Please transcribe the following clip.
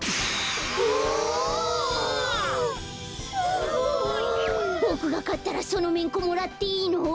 すごい！ボクがかったらそのめんこもらっていいの？